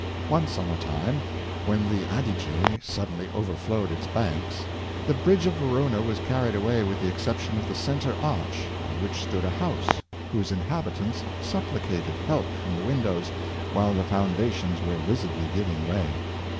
Once on a time, when the Adige suddenly over flowed its banks, the bridge of Verona was carried away with the exception of the center arch, on which stood a house, whose inhabitants supplicated help from the windows, while the foundations were visibly giving way.